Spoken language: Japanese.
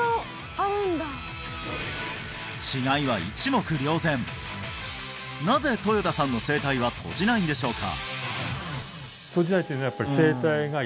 はい違いは一目瞭然なぜ豊田さんの声帯は閉じないんでしょうか？